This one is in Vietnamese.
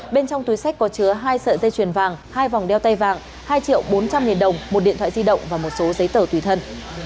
bên trong túi sách có chứa hai sợi dây chuyền vàng hai vòng đeo tay vàng hai triệu bốn trăm linh nghìn đồng một điện thoại di động và một số giấy tờ tùy thân